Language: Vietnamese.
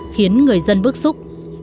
khiến người dân bức xúc